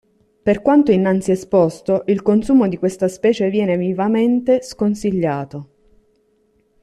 Per quanto innanzi esposto, il consumo di questa specie viene vivamente sconsigliato.